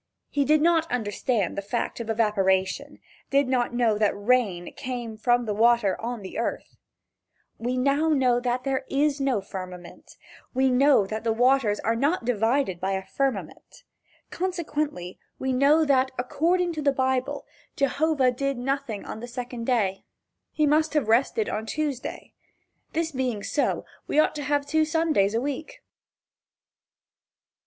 He did not understand the fact of evaporation did not know that the rain came from the water on the earth. Now we know that there is no firmament, and we know that the waters are not divided by a firmament. Consequently we know that, according to the Bible, Jehovah did nothing on the second day. He must have rested on Tuesday. This being so, we ought to have two Sundays a week.